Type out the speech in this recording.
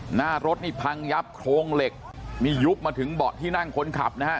หน้ารถนี่พังยับโครงเหล็กนี่ยุบมาถึงเบาะที่นั่งคนขับนะฮะ